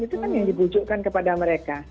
itu kan yang dibujukkan kepada mereka